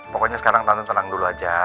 pokoknya sekarang tantangan tenang dulu aja